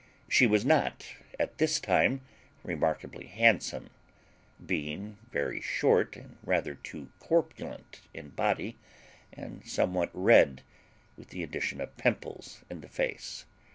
She was not at this time remarkably handsome; being very short, and rather too corpulent in body, and somewhat red, with the addition of pimples in the face.